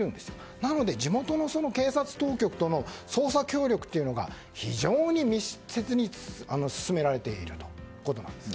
なので地元の警察当局との捜査協力が非常に密接に進められているということです。